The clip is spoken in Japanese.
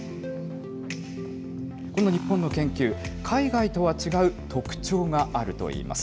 この日本の研究、海外とは違う特徴があるといいます。